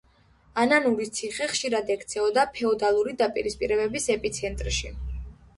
ანანურის ციხე ხშირად ექცეოდა ფეოდალური დაპირისპირებების ეპიცენტრში.